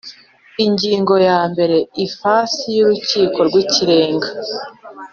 Ingingo ya mbere Ifasi y Urukiko rw Ikirenga